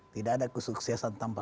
tidak ada kesuksesan tanpa